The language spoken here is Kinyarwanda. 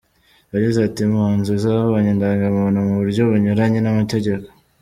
Yagize ati “Impunzi zabonye indangamuntu mu buryo bunyuranye n’amategeko.